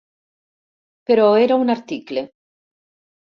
Però era un article.